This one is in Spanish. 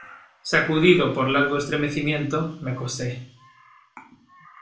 sacudido por largo estremecimiento me acosté.